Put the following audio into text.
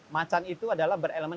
macan itu adalah berelemen